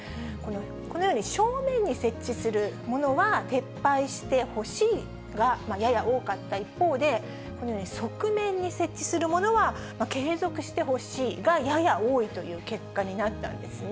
このように、正面に設置するものは撤廃してほしいがやや多かった一方で、このように、側面に設置するものは継続してほしいがやや多いという結果になったんですね。